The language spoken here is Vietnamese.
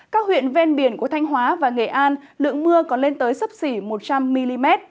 các huyện ven biển của thanh hóa và nghệ an lượng mưa còn lên tới sấp xỉ một trăm linh mm